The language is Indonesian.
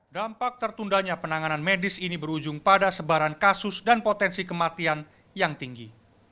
dampak tertundanya penanganan medis ini berujung pada sebaran kasus dan potensi kematian yang tinggi